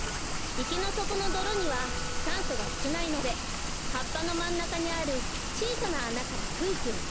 いけのそこのどろにはさんそがすくないのではっぱのまんなかにあるちいさなあなからくうきをすい